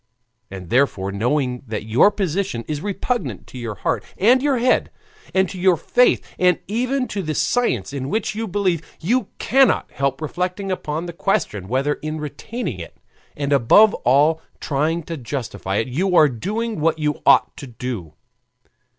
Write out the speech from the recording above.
And therefore knowing that your position is repugnant to your heart and your head, and to your faith, and even to the science in which you believe, you cannot help reflecting upon the question whether in retaining it, and above all trying to justify it, you are doing what you ought to do.